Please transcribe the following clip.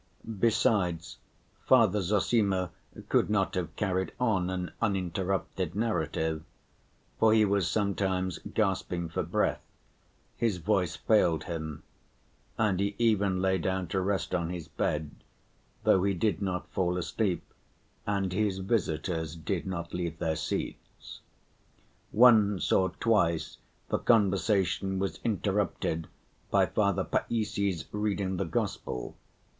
Besides, Father Zossima could not have carried on an uninterrupted narrative, for he was sometimes gasping for breath, his voice failed him, and he even lay down to rest on his bed, though he did not fall asleep and his visitors did not leave their seats. Once or twice the conversation was interrupted by Father Païssy's reading the Gospel.